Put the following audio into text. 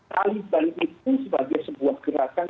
taliban itu sebagai sebuah gerakan